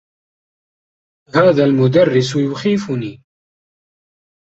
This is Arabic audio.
هذا المدرّس يخيفني.